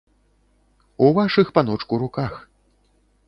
У вашых, паночку, руках.